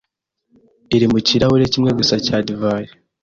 iri mu kirahure kimwe gusa cya divayi